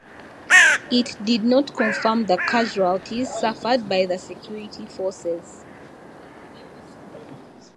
It did not confirm the casualties suffered by the security forces.